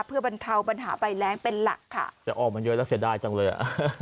เพื่อบรรเทาปัญหาใบแรงเป็นหลักค่ะแต่ออกมาเยอะแล้วเสียดายจังเลยอ่ะ